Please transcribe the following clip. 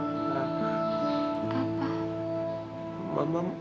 mama marah sama dia